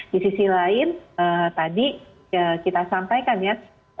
di sisi lain tadi kita sampaikan ya